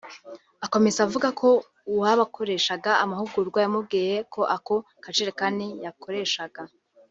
Akomeza avuga ko uwabakoreshaga amahugurwa yamubwiye ko ako kajerekani yakoresheje